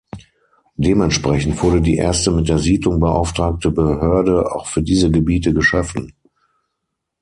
Dementsprechend wurde die erste mit der Siedlung beauftragte Behörde auch für diese Gebiete geschaffen.